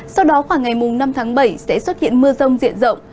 sau đó khoảng ngày năm tháng bảy sẽ xuất hiện mưa rông diện rộng